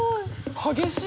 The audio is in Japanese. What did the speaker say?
「激しい」